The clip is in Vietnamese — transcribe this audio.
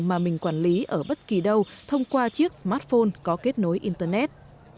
mà mình quản lý ở bất kỳ đâu thông qua chiếc smartphone có kết nối internet